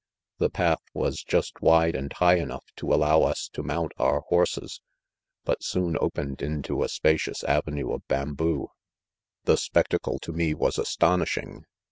.The path was just wide and high enough to allow us to' mount our horses, but soon open ed into a spacious avenue of bamboo. The spectacle to me was astonishing.